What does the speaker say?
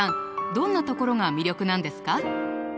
どんなところが魅力なんですか？